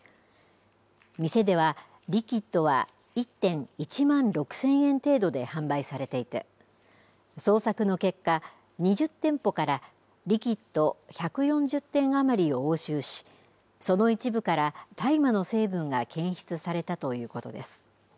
店では、リキッドは１点１万６０００円程度で販売されていて、捜索の結果、２０店舗から、リキッド１４０点余りを押収し、その一部から大麻の成分が検出されたということです。